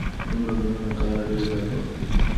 دوه میلیونه کاله ډېر زیات وخت دی.